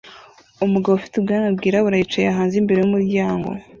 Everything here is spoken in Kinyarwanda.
Umugabo ufite ubwanwa bwirabura yicaye hanze imbere yumuryango